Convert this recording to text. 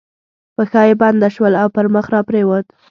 پښه یې بنده شول او پر مخ را پرېوت.